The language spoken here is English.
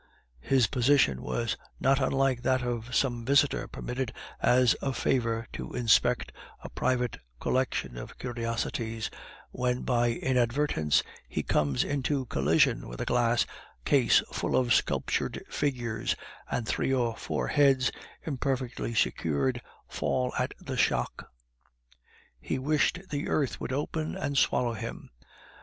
His position was not unlike that of some visitor permitted as a favor to inspect a private collection of curiosities, when by inadvertence he comes into collision with a glass case full of sculptured figures, and three or four heads, imperfectly secured, fall at the shock. He wished the earth would open and swallow him.